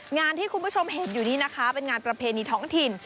งานที่คุณผู้ชมเห็นอยู่นี้นะคะเป็นงานประเพณีท้องถิ่น